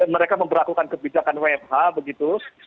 mereka memperlakukan kebijakan wfh begitu